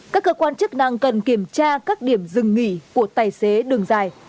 các cơ quan chức năng cần kiểm tra các điểm dừng nghỉ của tài xế đường dài